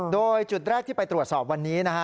โดยจุดแรกที่ไปตรวจสอบวันนี้นะฮะ